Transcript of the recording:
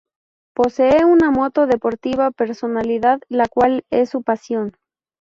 Posee una moto deportiva personalidad, la cual es su pasión.